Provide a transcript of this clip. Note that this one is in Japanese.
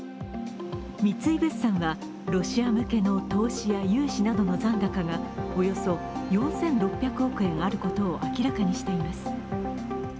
三井物産はロシア向けの投資や融資などの残高がおよそ４６００億円あることを明らかにしています。